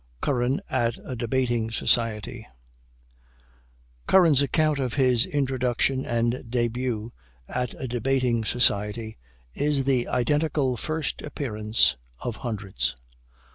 CURRAN AT A DEBATING SOCIETY. Curran's account of his introduction and debut at a debating society, is the identical "first appearance" of hundreds.